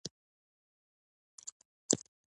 ژبه د پوهولو او را پوهولو وسیله ده